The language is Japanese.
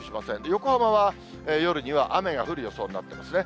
横浜は夜には雨が降る予想になっていますね。